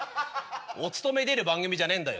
おつとめに出る番組じゃねえんだよ。